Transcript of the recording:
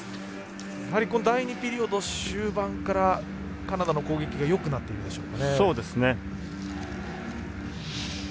第２ピリオド終盤からカナダの攻撃がよくなっているでしょうか。